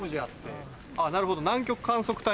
なるほど。